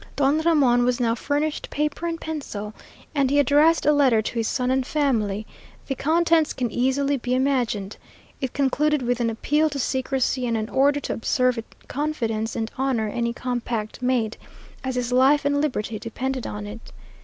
Don Ramon was now furnished paper and pencil, and he addressed a letter to his son and family. The contents can easily be imagined. It concluded with an appeal to secrecy, and an order to observe in confidence and honor any compact made, as his life and liberty depended on it.